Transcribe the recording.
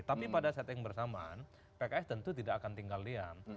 tapi pada saat yang bersamaan pks tentu tidak akan tinggal diam